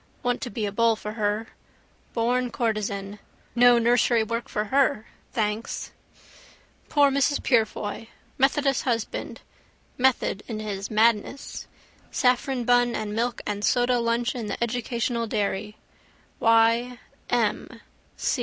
Want to be a bull for her. Born courtesan. No nursery work for her, thanks. Poor Mrs Purefoy! Methodist husband. Method in his madness. Saffron bun and milk and soda lunch in the educational dairy. Y. M.